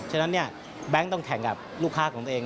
ฉะนั้นเนี่ยแบงค์ต้องแข่งกับลูกค้าของตัวเอง